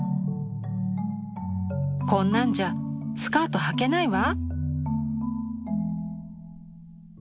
「こんなんじゃスカートはけないわ」。